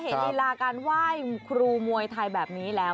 ลีลาการไหว้ครูมวยไทยแบบนี้แล้ว